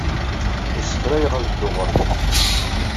La ssefrayeɣ ad dduɣ ɣer din.